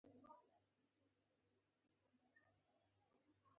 یهودو د کرکیلې او د وسلو تجارت حق نه درلود.